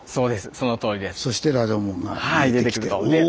そのとおりです。